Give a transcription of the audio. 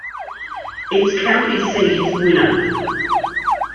Its county seat is Winner.